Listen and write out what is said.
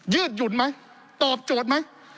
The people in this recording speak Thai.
ยืดหยุ่นไหมตอบโจทย์ไหม